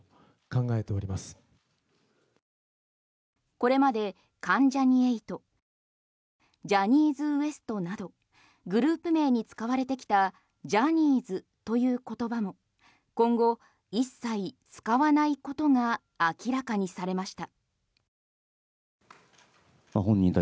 これまで関ジャニ∞ジャニーズＷＥＳＴなどグループ名に使われてきたジャニーズという言葉も今後一切使わないことが明らかにされました。